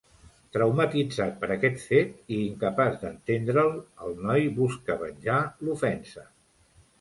Traumatitzat per aquest fet, i incapaç d'entendre'l, el noi busca venjar l'ofensa.